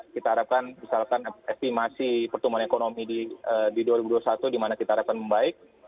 kita harapkan misalkan estimasi pertumbuhan ekonomi di dua ribu dua puluh satu dimana kita harapkan membaik